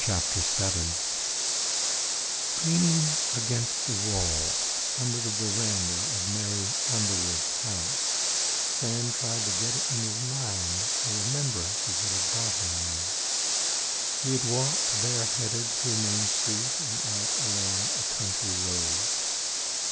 CHAPTER VII Leaning against the wall under the veranda of Mary Underwood's house, Sam tried to get in his mind a remembrance of what had brought him there. He had walked bareheaded through Main Street and out along a country road.